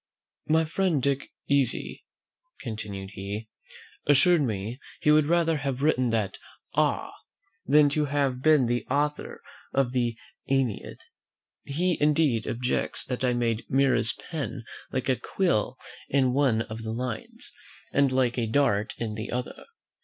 "My friend Dick Easy," continued he, "assured me, he would rather have written that Ah! than to have been the author of the AEneid. He indeed objected, that I made Mira's pen like a quill in one of the lines, and like a dart in the other.